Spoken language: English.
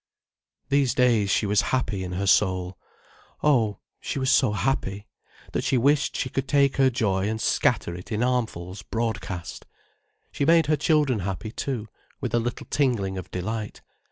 These days she was happy in her soul: oh, she was so happy, that she wished she could take her joy and scatter it in armfuls broadcast. She made her children happy, too, with a little tingling of delight.